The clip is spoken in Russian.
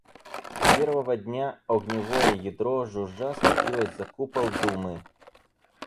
Первого дня огневое ядро жужжа скатилось за купол Думы.